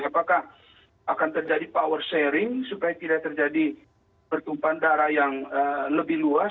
apakah akan terjadi power sharing supaya tidak terjadi pertumpahan darah yang lebih luas